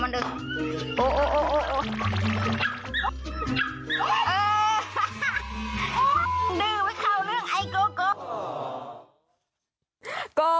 ดื้อไม่เข้าเรื่องไอโกโก